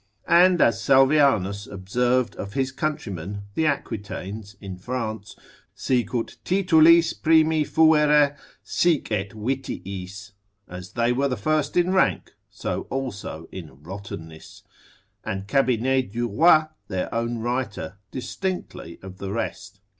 And as Salvianus observed of his countrymen the Aquitanes in France, sicut titulis primi fuere, sic et vitiis (as they were the first in rank so also in rottenness); and Cabinet du Roy, their own writer, distinctly of the rest.